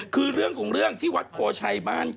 คือเรื่องของเรื่องที่วัดโพชัยบ้าน